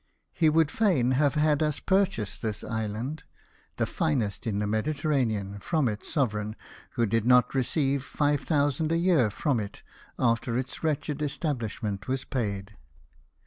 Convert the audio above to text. He would fain have had us purchase this island (the finest in the Mediterranean) from its sovereign, who did not receive £5,000 a year from it, after its wretched establishment was paid.